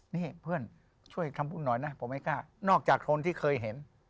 นี่เพื่อนช่วยคำพูดหน่อยนะผมไม่กล้านอกจากโทนที่เคยเห็น